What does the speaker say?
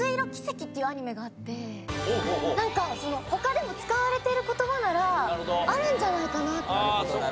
他でも使われてる言葉ならあるんじゃないかなと思って。